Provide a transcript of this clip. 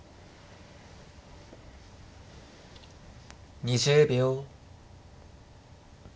２０秒。